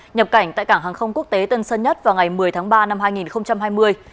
nhập cảnh tại cảng hàng không quốc tế tân sơn nhất vào ngày một mươi tháng ba năm hai nghìn hai mươi